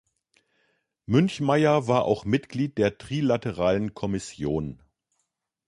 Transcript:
Münchmeyer war auch Mitglied der Trilateralen Kommission.